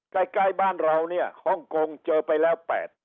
ใกล้บ้านเราเนี่ยฮ่องกงเจอไปแล้ว๘